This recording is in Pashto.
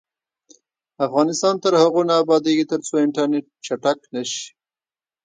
افغانستان تر هغو نه ابادیږي، ترڅو انټرنیټ چټک نشي.